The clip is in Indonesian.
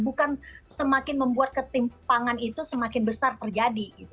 bukan semakin membuat ketimpangan itu semakin besar terjadi